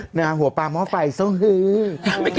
หน้าหัวปราม้อไปสวี